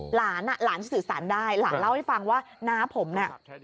หลานอ่ะหลานสื่อสารได้หลานเล่าให้ฟังว่าน้าผมน่ะ